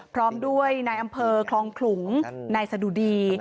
พร้อมด้วยนายอำเภอคลองขลุงนายสะดุดี